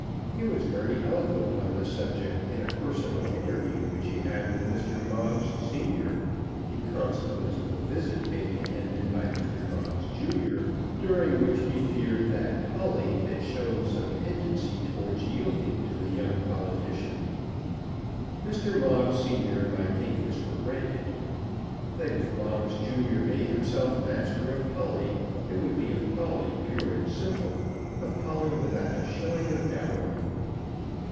He was very eloquent on the subject in a personal interview which he had with Mr. Moggs senior, in consequence of a visit made to Hendon by Mr. Moggs junior, during which he feared that Polly had shown some tendency towards yielding to the young politician. Mr. Moggs senior might take this for granted; that if Moggs junior made himself master of Polly, it would be of Polly pure and simple, of Polly without a shilling of dowry.